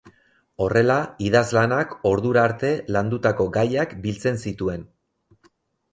Horrela, idazlanak ordura arte landutako gaiak biltzen zituen.